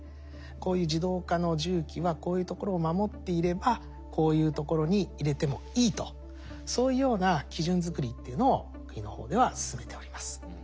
こういう自動化の重機はこういうところを守っていればこういうところに入れてもいいとそういうような基準作りというのを国の方では進めております。